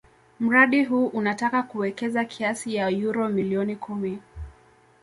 Mradi huu unataka kuwekeza kiasi ya euro milioni kumi